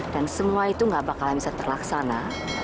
dan semua itu enggak bakal bisa terlaksana